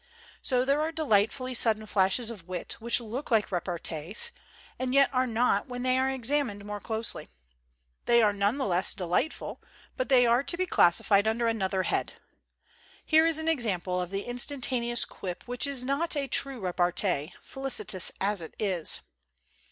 So there are delightfully sudden flashes of wit which look like repartees, and yet are not when they are examined more closely. They are none the less delightful, but they are to be classi fied under another head. Here is an example of the instantaneous quip which is not a true repartee, felicitous as it is.